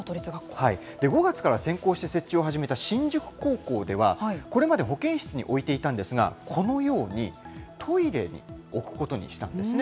５月から先行して設置を始めた新宿高校では、これまで保健室に置いていたんですが、このようにトイレに置くことにしたんですね。